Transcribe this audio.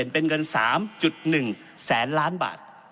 เป็นเงิน๓๑แสนล้านบาท